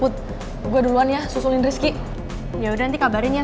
cuak yang kadang akan jadi aneh